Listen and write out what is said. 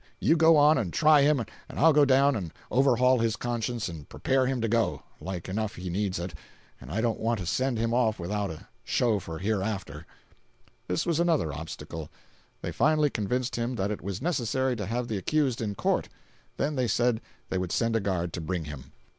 You go on and try him and I'll go down and overhaul his conscience and prepare him to go—like enough he needs it, and I don't want to send him off without a show for hereafter." This was another obstacle. They finally convinced him that it was necessary to have the accused in court. Then they said they would send a guard to bring him.